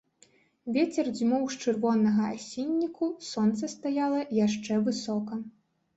Вецер дзьмуў з чырвонага асінніку, сонца стаяла яшчэ высока.